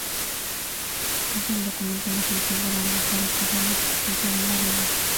Es el documento más antiguo donde se recoge la existencia de la villa.